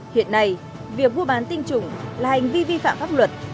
hiện nay việc mua bán tinh trùng là hành vi vi phạm pháp luật